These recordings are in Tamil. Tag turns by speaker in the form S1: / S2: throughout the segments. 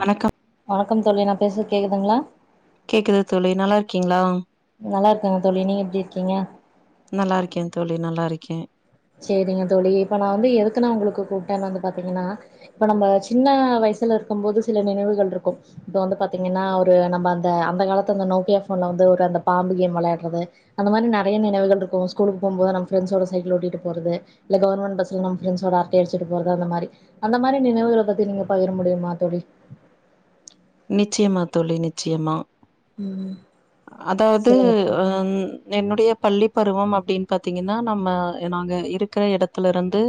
S1: வணக்கம்
S2: வணக்கம் தோழி நா பேசுறது கேக்குதுங்களா
S1: கேக்குதா தோழி நல்லா இருக்கீங்களா
S2: நல்லா இருக்கேங் தோழி நீங்க எப்டி இருக்கீங்க
S1: நல்லா இருக்கே தோழி நல்லா இருக்கே
S2: சரிங்க தோழி இப்ப நா வந்து எதுக்குன்னா உங்களுக்கு கூப்பிட்டேன்னா வந்து பாத்தீங்கன்னா இப்ப நம்ம சின்ன வயசுல இருக்கும் போது சில நினைவுகள் இருக்கு இப்ப வந்து பாத்தீங்கன்னா ஒரு நம்ப அந்த அந்த காலத்த அந்த நோக்கியா போன்ல வந்து ஒரு அந்த பாம்பு கேம் வெளையாற்றது அந்த மாரி நெறையா நினைவுகள் இருக்கு ஸ்கூலுக்கு போம் போது நம் பிரண்ட்ஸ்களோட சைக்கில ஓட்டிட்டு போம் போது போறது இல்ல கவர்மெண்ட் பஸ்ல்ல நம் ஃபிரண்ட்ஸ் ஓட அரட்டை அடிச்சிட்டு போறது அந்த மாரி அந்த மாரி நினைவுகள பத்தி நீங்க பகிர முடியுமா தோழி
S1: நிச்சயமா தோழி நிச்சயமா
S2: ம்
S1: அதாவது
S2: சொல்லுங்க தோழி
S1: அ என்னுடைய பள்ளி பருவம் அப்டின் பாத்தீங்கன்னா நம்ம நாங்க இருக்கிற எடத்துல இருந்து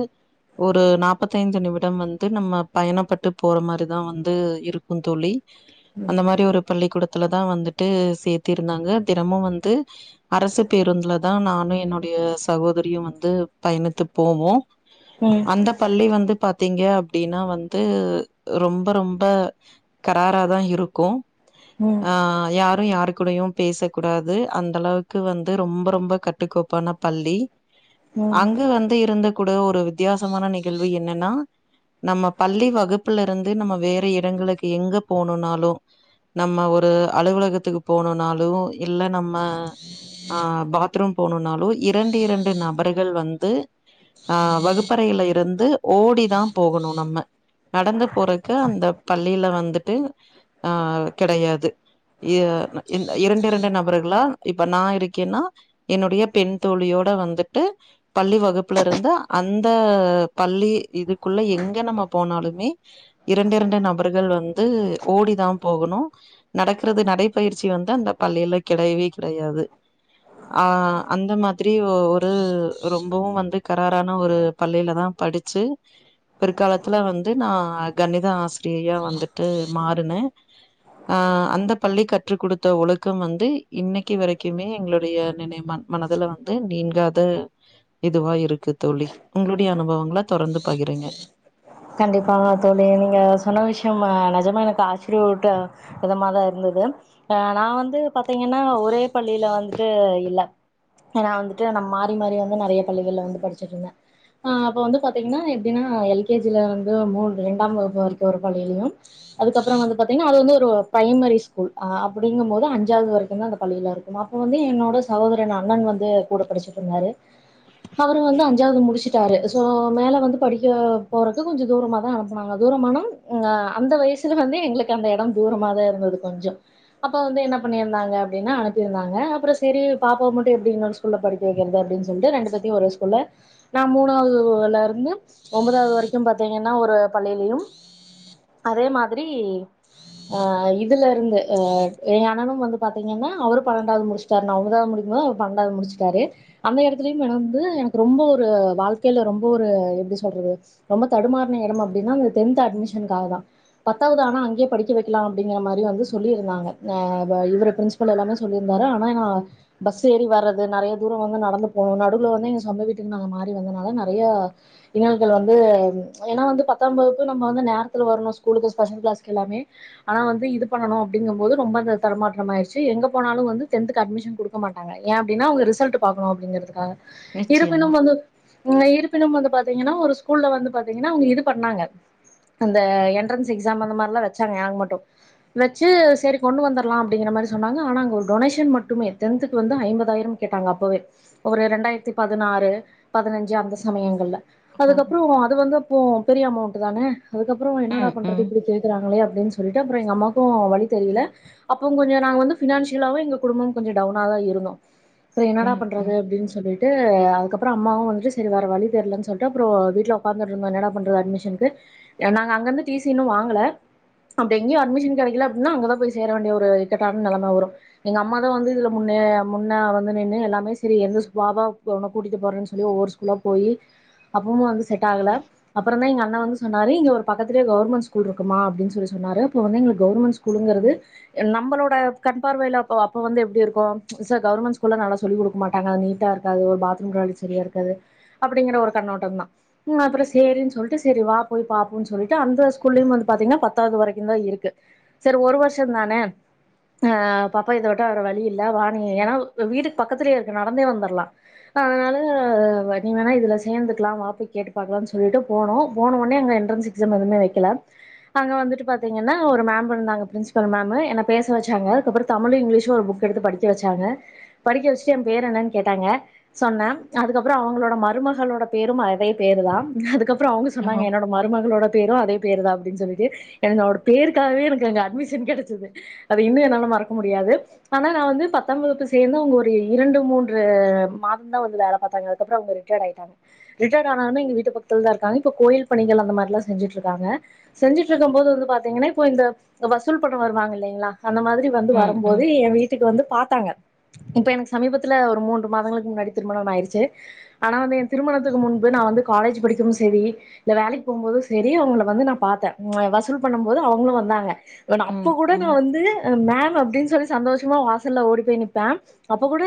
S1: ஒரு நாப்பத்தஞ்சு நிமிடம் வந்து நம்ம பயணப்பட்டு போற மாரிதா வந்து இருக்கு தோழி
S2: ம்
S1: அந்த மாரி ஒரு பள்ளிக் கூட த்துலதா வந்துட்டு சேத்திருந்தாங்க தினமு வந்து அரசு பேருந்துல தா நானு என்னுடைய சகோதரியு வந்து பயணித்து போவோ
S2: ம்
S1: அந்த பள்ளி வந்து பாத்தீங்க அப்டின்னா வந்து ரொம்ப ரொம்ப கரார தா இருக்கு
S2: ம்
S1: ஆ யார் யாரு கூடயு பேசக்கூடாது அந்த அளவுக்கு வந்து ரொம்ப ரொம்ப கட்டுக்கோப்பான பள்ளி
S2: ம்
S1: அங்க வந்து இருந்த கூட ஒரு வித்தியாசமான நிகழ்வு என்னன்னா நம்ம பள்ளி வகுப்புல இருந்து நம்ம வேற இடங்களுக்கு எங்க போணுன்னாலு நம்ம ஒரு அலுவலகத்துக்கு போனுன்னாலு இல்ல நம்ம ஆ பாத்ரூம் போணுன்னாலு இரண்டு இரண்டு நபருகள் வந்து ஆ வகுப்பறையில இருந்து ஓடிதா போகணு நம்ம நடந்து போறக்கு அந்த பள்ளியில வந்துட்டு ஆ கெடையாது யா இந் இரண்டு இரண்டு நபர்களா இப்ப நா இருக்கேன்னா என்னுடைய பெண் தோழியோட வந்துட்டு பள்ளி வகுப்புல இருந்த அந்த பள்ளி இதுக்குள்ள எங்க நம்ம போனாலுமே இரண்டு இரண்டு நபருகள் வந்து ஓடி தா போகணு நடக்கிறது நடைப்பயிற்சி வந்து அந்த பள்ளியில கெடையவே கெடையாது ஆ அந்த மாதிரி ஒரு ரொம்பவு வந்து கராரான ஒரு பள்ளில தா படிச்சு பிற்காலத்துல வந்து நா கணிதா ஆஸ் ஃப்ரீயா வந்துட்டு மாறுணு ஆ அந்த பள்ளி கற்று குடுத்த ஒழுக்கம் வந்து இன்னைக்கு வரைக்குமே எங்களுடைய நினைமான் மனதுல வந்து நீங்காத இதுவா இருக்கு தோழி உங்களுடைய அனுபவங்கள தொடர்ந்து பகிருங்க
S2: கண்டிப்பாங்க தோழி நீங்க சொன்ன விஷ்யம் நெஜமா எனக்கு ஆச்சிர்மூட்டு விதமா தா இருந்துது ஆ நா வந்து பாத்தீங்கன்னா ஒரே பள்ளில வந்துட்டு இல்ல ஏனா வந்துட்டு நா மாறி மாறி வந்து நெறைய பள்ளிகள்ல வந்து படிச்சிட்ருந்தே ஆ அப்ப வந்து பாத்தீங்கன்னா எப்டின்னா எல்கேஜில வந்து மூன் ரெண்டாம் வகுப்பு வரைக்கு ஒரு பள்ளிலயு அதுக்கப்றோ வந்து பாத்தீங்கன்னா அது வந்து ஒரு பிரைமரி ஸ்கூல் ஆ அப்டிங்கும்போது அஞ்சாவது வரைக்கு தா பள்ளில இருக்கு அப்போ வந்து என்னோட சகோதரன் அண்ணன் வந்து கூட படிச்சட்ருந்தாரு அவுரு வந்து அஞ்சாவ்து முடிச்சிட்டாரு சோ மேல வந்து படிக்க போறக்கு கொஞ்சோ தூரமாக தா அனுப்புனாங்க தூரமான ஆ அந்த வய்சுல வந்து எங்குளுக்கு அந்த எடோ தூரமாக தா இருந்துது கொஞ்சோ அப்பா வந்து என்ன பண்ணிருந்தாங்க அப்டின்னா அனுப்பிருந்தாங்க அப்றோ செரி பாப்பா மட்டு எப்டி இங்க ஸ்கூல்ல படிக்க வைக்கிறது அப்டின் சொல்ட்டு ரெண்டு பேத்தயு ஒரே ஸ்கூல்ல நா மூணாதுலருந்து ஒம்பதாது வரைக்கு பாத்தீங்கன்னா ஒரு பள்ளிலயு அதே மாதிரி ஆ இதுலருந்து அ ஏன் அண்ணனு வந்து பாத்தீங்கன்னா அவரு பன்னெண்டாது முடிச் டாரு நா ஒம்பதாது முடிக்குபோது அவுரு பண்டாது முடிச்சிட்டாரு அந்த எடத்துலயு என வந்து எனக்கு ரொம்ப ஒரு வாழ்க்கைல ரொம்ப ஒரு எப்டி சொல்றது ரொம்ப தடுமாற்ன எடம் அப்டின்னா அந்த டென்த் அட்மிஷனுக்காக தா பத்தாவது ஆனா அங்கே படிக்க வைக்கலா அப்டிங்கற மாரி வந்து சொல்லிருந்தாங்க ஆ வ இவுரு பிரின்ஸ் பல் எல்லாமே சொல்லிருந்தாரு ஆனா நா பஸ் ஏறி வர்றது நெறய தூரோ வந்து நடந்து போணு நடுல வந்து எங்க சொந்த வீட்டுக்கு நாங்க மாறி வந்தனால நெறய இன்னல்கள் வந் இது ஏனா வந்து பத்தாம் வகுப்பு நம்ம வந்து நேரத்துல வரணு ஸ்கூலுக்கு ஸ்பெஷல் கிளாஸ்க்கு எல்லாமே ஆனா வந்து இது பண்ணணு அப்டிங்கும் போது ரொம்ப அந்த தடுமாற்றம் ஆயிருச்சு எங்க போனாலு வந்து டென்த்துக்கு அட்மிஷன் குடுக்க மாட்டாங்க ஏன் அப்டின்னா உங்க ரிசல்ட்டு பாக்கணு அப்டிங்கிறதுக்காக
S1: நிச்சயமா.
S2: இருப்பினும் வந்து அ இருப்பினும் வந்து பாத்தீங்கன்னா ஒரு ஸ்கூல்ல வந்து பாத்தீங்கன்னா அவுங்க இது பண்ணாங்க அந்த என்ட்ரன்ஸ் எக்ஸாம் அந்த மாரில்லா வச்சாங்க எனக்கு மட்டு வச்சு சேரி கொண்டு வந்துர்லா அப்டிங்கிற மாரி சொன்னாங்க ஆனா அங்க ஒரு டொனேஷன் மட்டுமே டென்த்துக்கு வந்து ஐம்பதாயிரம் கேட்டாங்க அப்பவே ஒரு ரெண்டாயிரத்தி பதினாறு பதினஞ்சு அந்த சமயங்கள்ல
S1: ஓ!
S2: அதுக்கப்றோ அது வந்து அப்போ பெரிய அமௌண்ட் தான அதுக்கப்றோ என்னடா
S1: ம்,
S2: பண்றது
S1: ம்,
S2: இப்டி கேக்குறாங்களே அப்டின்னு சொல்லுட்டு அப்றோ எங்க அம்மாக்கு வழி தெரியில அப்போ கொஞ்சோ நாங்க வந்து ஃபினான்ஷியலாவு எங்க குடும்பம் கொஞ்சோ டவுனா தா இருந்தோ அப்றோ என்னடா
S1: ம்,
S2: பண்றது
S1: ம்.
S2: அப்டின் சொல்லிட்டு அதுக்கப்றோ அம்மாவு வந்துட்டு சேரி வேற வழி தெரிலன்னு சொல்லிட்டு அப்றோ வீட் ட்ல ஒக்காந்துட்ருந்தோ என்னடா பண்றது அட்மிஷனுக்கு ஏ நாங்க அங்கிருந்து டிசி இன்னு வாங்கல அப்டி இங்கியு அட்மிஷன் கெடைக்கல அப்டின்னா அங்க தா போய் சேர வேண்டிய ஒரு இக்கட்டான நெலம வரு எங்க அம்மா தா வந்து இதுல முன்னே முன்ன வந்து நின்னு எல்லாமே சேரி எந்த ஸ்கூ வா வா உன்ன கூட்டிட்டு போறேன்னு சொல்லி ஒவ்வொரு ஸ்கூ உள்ள போயி அப்பமு வந்து செட் ஆகல அப்பறமே எங்க அண்ண வந்து சொன்னாரு இங்க ஒரு பக்கத்துலே கவர்மெண்ட் ஸ்கூல் இருக்குமா அப்டின் சொல்லி சொன்னாரு அப்போ வந்து எங்குளுக் கவர்மெண்ட் ஸ்கூலுங்குறது எ நம்பளோட கண் பார்வைல அப்ப அப்ப வந்து எப்டி இருக்கு ச்ச கவர்மெண்ட் ஸ்கூல்ல நல்லா சொல்லி குடுக்க மாட்டாங்க அது நீட்டா து ஒரு பாத்ரூம் [unintelligible] சரியா இருக்காது அப்டிங்கற ஒரு கண்ணோட்டந்தா ம் அப்பறோ சேரின்னு சொல்ட்டு சேரி வா போய் பாப்போன்னு சொல்லிட்டு அந்த ஸ்கூல்லயு வந்து பாத்தீங்கனா பத்தாவது வரைக்குதா இருக்கு சேரி ஒரு வருஷந்தானே அ பாப்பா இத விட்ட வேற வழி இல்ல வா நீ ஏன்னா வீட்டுக்கு பக்கத்துலயே இருக்கு நடந்தே வந்துட்லா அதனால நீ வேணா இதுல சேந்துக்கலா வா போய் கேட்டு பாக்கலானு சொல்லிட்டு போனோ போன ஒடனே அங்க எண்ட்ரன்ஸ் எக்ஸாம் எதுமே வைக்கல அங்க வந்துட்டு பாத்தீங்கன்னா ஒரு மேம் இருந்தாங்க பிரின்ஸிபல் மேம்மு என்ன பேச வச்சாங்க அதுக்கப்றோ தமிழும் இங்கிலீஷம் ஒரு புக் எடுத்து படிக்க வச்சாங்க படிக்க வச்சுட்டு என் பேரு என்னன்னு கேட்டாங்க சொன்ன அதுக்கப்பறோ அவுங்களோட மருமகளோட பேரும் அதே பேருதா அதுக்கப்பறோ அவுங்க சொன்னாங்க
S1: ஓஹோ!
S2: என்னோட மருமகளோட பேரு அதே பேருதா அப்டின்னு சொல்லிட்டு என்னோட பேருக்காகவே எனக்கு அங்க அட்மிஷன் கெடச்சிது அது இன்னு என்னால மறக்க முடியாது ஆனா நா வந்து பத்தாம் வகுப்பு சேந்து அவங்க ஒரு இரண்டு மூன்று மாதம்தா வந்து வேல பாத்தாங்க அப்றோ அவங்க ரிட்டேடு ஆயிட்டாங்க ரிட்டே டானாலுமே எங் வீட்டு பக்கத்துல தா இருக்காங்க இப்ப கோயில் பணிகள் அந்த மாரி எல்லா செஞ்சிட்டு இருக்காங்க செஞ்சிட்டு இருக்கும்போது வந்து பாத்தீங்கனா இப்போ இந்த வசூல் பண்ண வருவாங்க இல்லைங்களா அந்த மாதிரி வந்து
S1: ம்,
S2: வரும்போ
S1: ம்,
S2: து ஏ வீட்டுக்கு வந்து பாத்தாங்க இப்ப எனக்கு சமீபத்துல ஒரு மூன்று மாதங்களுக்கு முன்னாடி திருமணம் ஆயிடுச்சு ஆனா வந்து என் திருமணத்துக்கு முன் பு நா வந்து காலேஜ் படிக்கும் போது சேரி இல்ல வேலைக்கு போகும்போது சேரி அவுங்கள வந்து நா பாத்தே அ வசூல் பண்ணும் போது அவுங்களு வந்தாங்க வ நா
S1: ம்,
S2: அப்ப கூட நா
S1: ம்,
S2: வந்து மேம் அப்டின்னு சொல்லி சந்தோஷமா வாசல்ல ஓடி போய் நிப்பே அப்ப கூட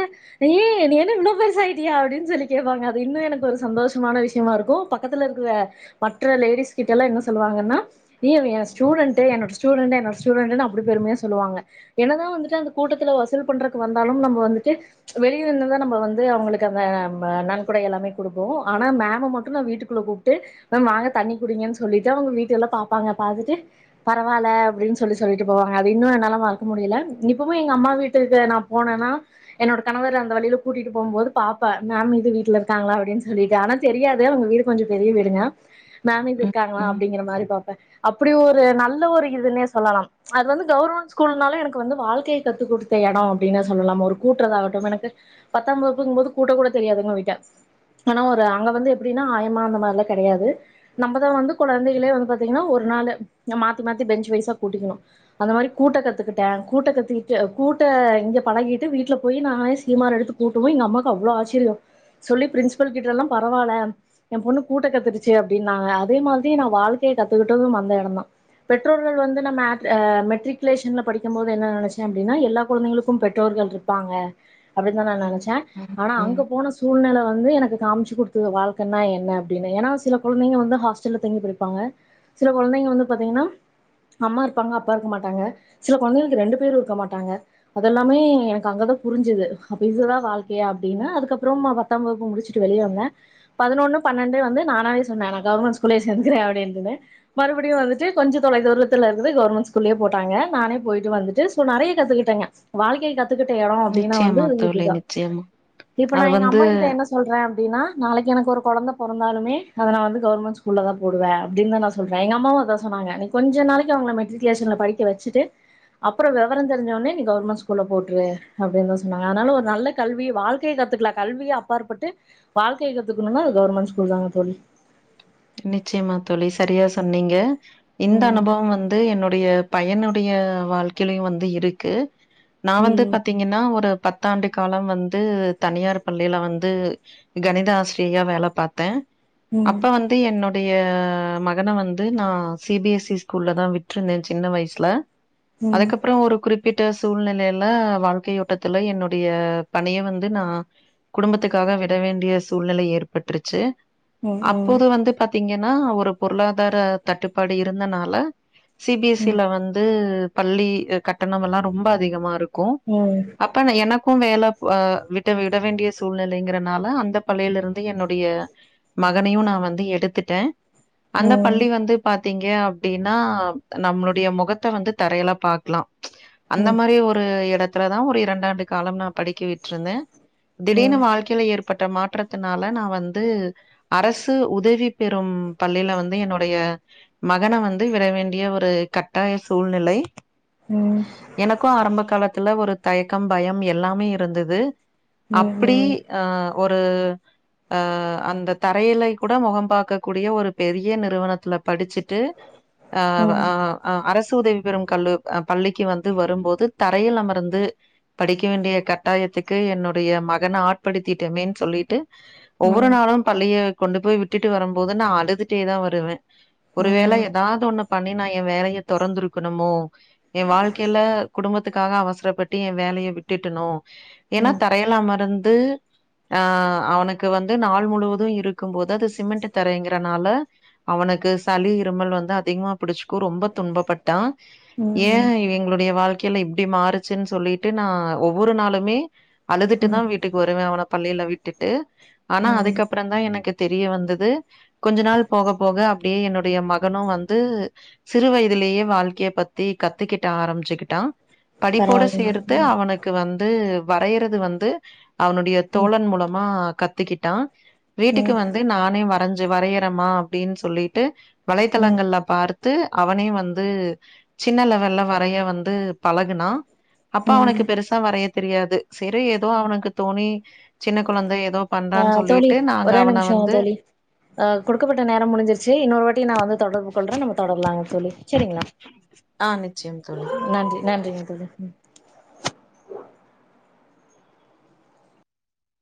S2: ஏய் நீ என்ன இவ்ளோ பெருசாயிட்டியா அப்டின்னு சொல்லி கேப்பாங்க அது இன்னு எனக்கு ஒரு சந்தோஷ மான விஷயமா இருக்கு பக்கத்துல இருக்கிற மற்ற லேடிஸ் கிட்ட எல்லா என்ன சொல்லுவாங்கன்னா ஏய் அவ எ ஸ்டூடெண்ட்டு என்னோட ஸ்டூடெண்ட் என்னோட ஸ்டூடெண்ட்னு அப்டி பெருமையா சொல்லுவாங்க என்னதா வந்துட்டு அந்த கூட்டத்துல வசூல் பண்றக்கு வந்தாலும் நம்ப வந்துட்டு வெளியில நின்னுதா நம்ம வந்து அவுங்களுக்கு அந்த நம்ப நன்கொடை எல்லாமே குடுப்போ ஆனா மேம்ம மட்டு நா வீட்டுக்குள்ள கூப்ட்டு வாங்க தண்ணி குடிங்கன்னு சொல்லிட்டு, அவுங்க வீட்ட எல்லா பாப்பாங்க பாத்துட்டு பரவால்ல அப்டின்னு சொல்லி சொல்லிட்டு போவாங்க அது இன்னு என்னால மறக்க முடியல இப்பமே எங்க அம்மா வீட்டுக்கு நா போனனா என்னோட கணவர் அந்த வழியில கூட்டிட்டு போகும்போது பாப்பே மேம் இது வீட்ல இருக்காங்களா அப்டின்னு சொல்லிட்டு ஆனா தெரியாது அவுங்க வீடு கொஞ்சோ பெரிய வீடுங்க மேம் இது
S1: ம்,
S2: இருக்காங்களா
S1: ம்,
S2: அப்டிங்கிற மாரி பாப்பே அப்டி ஒரு நல்ல ஒரு இதுன்னே சொல்லலாம் அது வந்து கவர்மெண்ட் ஸ்கூல்னாலு எனக்கு வந்து வாழ்க்கைய கத்துக் குடுத்த எடம் அப்டின்னா சொல்லலாம் ஒரு கூட்றதாகட்டும் எனக்கு பத்தாம் வகுப்புங்கும்போது கூட்ட கூட தெரியாதுங்க வீட்ட ஆனா ஒரு அங்க வந்து எப்டின்னா ஆயம்மா அந்த மாரி எல்லா கெடையாது நம்பதா வந்து கெழந்தைகளே வந்து பாத்தீங்கன்னா ஒரு நாளு மாத்தி மாத்தி பெஞ்ச் வய்ஸா கூட்டிக்கணு அந்த மாரி கூட்ட கத்துக்கிட்டே கூட்ட கத்துக்கிட்டு கூட்ட இங்கே பழகிட்டு வீட்ல போயி நானே சீமார் எடுத்து கூட்டவு எங்க அம்மாவுக்கு அவ்ளோ ஆச்சரியோ சொல்லி பிரின்சிபல் கிட்ட எல்லா பரவால்ல எ பொண்ணு கூட்ட கத்துருச்சு அப்டின்னாங்க அதோ மாதிரி நா வாழ்க்கைய கத்துக்கிட்டதும் அந்த எடந்தா பெற்றோர்கள் வந்து நம்ம ஆ மெட்ரிகுலேஷன்ல படிக்கும் போது என்ன நெனைச்சே அப்டின்னா எல்லா கொழந்தைகளுக்கு பெற்றோர்கள் இரு ப்பாங்க அப்டின்னுதா நா நெனைச்சே
S1: ம்,
S2: ஆனா அங்க
S1: ம்.
S2: போன சூழ்நெல வந்து எனக் கு காமிச்சு குடுத்துது வாழ்க்கைன்னா என்ன அப்டின்னு ஏன்னா சில கொழந்தைங்க வந்து ஹாஸ்ட்டல்லா தங்கி படிப்பாங்க சில கொழந்தைங்க வந்து பாத்தீங்கனா அம்மா இருப்பாங்க அப்பா இருக்க மாட்டாங்க சில கொழந்தைகளுக்கு ரெண்டு பேரு இருக்க மாட்டாங்க அதெல்லாமே எனக்கு அங்கதா புரிஞ்சுது அப்ப இதுதா வாழ்க்கையா அப்டின்னு அதுக்கப்றோ நா பத்தாம் வகுப்பு முடிச்சு வுட்டு வெளிய வந்த பதினொன்னு பன்னெண்டு வந்து நானாவே சொன்ன நா கவர்மெண்ட் ஸ்கூல்லயே சேந்துக்குறே அப்டின் சொன்ன மறுபடியு வந்துட்டு கொஞ்ச தொலைதூரத்துலருந்து கவர்மெண்ட் ஸ்கூல்லயே போட்டாங்க நானே போயிட்டு வந்துட்டு சொ நெறைய கத்துக்கிட்டங்க வாழ்க்கைய கத்துக்கிட்ட எடோ அப்டின்னா வந்து
S1: நிச்சயமா தோழி,
S2: இதுதா
S1: நிச்சயமா.
S2: இப்ப நா
S1: அது
S2: எங்க
S1: வந்து
S2: அம்மா கிட்ட என்ன சொ சொல்றே அப்டின்னா நாளக்கி எனக்கு ஒரு கொழந்த பொறந்தாலுமே அத ந வந்து கவர்மெண்ட் ஸ்கூல தா போடுவே அப்டின் த நா சொ சொல்றே எங்க அம்மாவு அதா சொன்னாங்க நீ கொஞ்ச நாளக்கி அவங்கள மெட்ரிக்கூலேக்ஷன்ல படிக்க வச்சிட்டு அப்றொ விவரொ தெரிஞ்ச உட்னே நீ கவர்மெண்ட் ஸ்கூல போட்ரு அப்டின்னு தா சொன்னாங்க அதனால ஒரு நல்ல கல்வி வாழ்க் வாழ்க்கைய கத்துக்கலா கல்விய அப்பாற்பட்டு வாழ்க்கய கத்துக்கணும்ன அது கவர்மென்ஸ்கூல் தாங்க தோழி
S1: நிச்சயமா தோழி சரியா சொன்னீங்க இந்த
S2: ம்
S1: அனுபவம் வந்து வந்து என்னுடைய பையனுடைய வாழ்க்கையிலையு வந்து இருக்கு நா வந்து
S2: ம்
S1: பாத்தீங் ங்கன்னா ஒரு பத்தாண்டு காலம் வந்து தனியார் பள்ளியில வந்து கணித ஆசிரியாரா வேல பாத்தே
S2: ம்
S1: அப்ப வந் வந்து என்னுடைய மகன வந்து நா சிபி எஸ் சி ஸ்கூல்ல தா விட்ருந்த சின்ன வயசுல
S2: ம் ம்
S1: அதுக்கப்றொ ஒரு குறிப் குறிப்பிட்ட சூழ்நிலையில வாழ்க்கை ஓட்டத்துல என்னுடைய பணிய வந்து நா குடும்பத்துக்காக விட வேண்டிய சூழ்நிலை ஏற்பட்ருச்சு
S2: ம்ம்
S1: வந்து பாத்தீங்கன்னா ஒரு பொருளாதார தட்டுப்பாடு இருந்தனால சி பி எஸ் சி
S2: ம்
S1: லா வந்து பள்ளி கட்டணமெல்லா ரொம்ப அதிகமா ருக்கு அப் அப்ப எனக்கு வேல அ விட்டு விட வேண்டிய சூழ்நிலைங்கிறனால அந்த பள்ளியிலருந்து என்னுடைய மகனையும் நா வந்து எடுத்துட்டே
S2: ம் ம் ம் ம் ம் ம் ம்
S1: அந்த
S2: ம்
S1: பள்ளி வந்து பாத்தீங்க அப்டின்னா நம்மளுடைய முகத்த வந்து தரையில பாக்லா அந்த மாரி ஒரு எடத்துல தா ஒரு இரண்டாண்டு காலம் நா படிக்க விட்ருந்தே திடீர்னு வாழ்க் க்கையிலா ஏற்பட்ட மாற்றத்தினால நா வந்து அரசு வந்து உதவி பெறும் பள்ளியில வந்து என்னுடைய மகன வந்து விடவேண்டிய ஒரு கட்டாய சூழ்நிலை எனக்கும் ஆரம்ப காலத்துல ஒரு தயக்கம் பயம் எல்லாமே இருந்தது
S2: ம்
S1: அப்டி அ ஒரு அ அந்த தரையில கூட முகம் பார்க்க கூடிய ஒரு பெரிய நிறுவனத்துல படிச்சுட்டு அ ஆ அ அரசு உதவி பெறும் கல்லு பள்ளிக்கு வந்து வரும்போது தரையில் அமர்ந்து படிக்க வேண்டிய கட்டாயத்துக்கு என்னுடைய மகன ஆட்படுத்திட்டமேன்னு சொல்லிட்டு ஒவ்வொரு நாளும் பள்ளிய கொண்டு போய் விட்டுட்டு வரும் போது நா அழுதுட்டே தா வருவெ ஒரு வேள ஏதாவது ஒண்ணு பண்ணி நா எ வேலைய தொறந்துருக்கணுமோ எ வாழ்க்கையில குடும்பத்துக்காக அவசரப்பட்டு எ வேலைய விட்டுட்டனோ
S2: ம் ம்
S1: ஏன்னா தரையல அமர்ந்து ஆ அவனுக்கு வந்து நாள் முழுவது இருக் க்கும் போது அது சிமெண்ட் தரைங்கிறனால அவனுக்கு சளி இருமல் வந்து அதிகமா புடிச்சுக்கு ரொம்ப துன்ப பட்டு டா ஏ
S2: ம் ம்
S1: இவ எங்களுடைய வாழ்க் ல்ல இப்படி மாறுச்சுன்னு சொல்லிட்டு நா ஒவ்வொரு நாளுமே அழுதுட்டுதா
S2: ம்
S1: வி வீட்டுக்கு வருவ அவன பள்ளியில விட்டுட்டு ஆனா
S2: ம்
S1: அதுக்கப்புறம் தா எனக்கு தெரிய வந்தது கொஞ்ச நாள் போக போக அப்டியே என்னுடைய மகனும் வந்து சிறுவயதுலயா வாழ்க்கைய பத்தி கத்துக்கிட்ட ஆரம்பிச்சுகிட்டா படிப்போட சேர்த்து
S2: பரவால்லைங்க
S1: அவனுக் வந்து வரையறது வந்து அவனுடைய
S2: ம்
S1: தோழன் மூலமா கத்துக்கிட்டா
S2: ம்
S1: வந்து நானே வரைஞ்சு வரையறேமா அப்டின்னு சொல்லிட்டு
S2: ம்
S1: வலைத்தளங்கள்ல பார் அவனே வந்து சின்ன லெவல்ல வரைய வந்து பழகுனா அப்பா
S2: ம்
S1: அவனுக்கு பெருசா வரைய தெரியாது சரி ஏதோ அவனுக்கு தோணி சின்ன கொழந்தை ஏதோ பண்றான்னு
S2: ஆ
S1: சொல்லிட்டு நாங்க
S2: ஒரே
S1: அவன
S2: நிமிஷங்க
S1: வந்து
S2: தோழி அ குடுக்கப்பட்ட நேரோ முடிஞ்சிருச்சு இன்னொரு வாட்டி நா வந்து தொடர்பு கொள்றே நம்ம தொடரலாங்க தோழி சரிங்களா
S1: ஆ நிச்சயம் தோழி
S2: நன்றி நன்றிங்க தோழி ம்